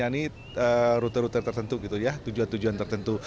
ini rute rute tertentu gitu ya tujuan tujuan tertentu